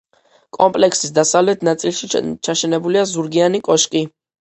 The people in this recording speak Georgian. კომპლექსის დასავლეთ ნაწილში ჩაშენებულია ზურგიანი კოშკი.